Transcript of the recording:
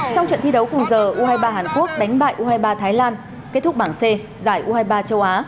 trong trận thi đấu cùng giờ u hai mươi ba hàn quốc đánh bại u hai mươi ba thái lan kết thúc bảng c giải u hai mươi ba châu á